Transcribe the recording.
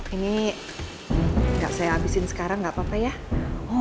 ini bubur kacang ijo yang paling enak yang pernah saya coba